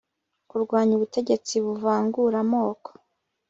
kurwanya ubutegetsi buvangura amoko